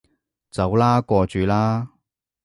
走啦，過主啦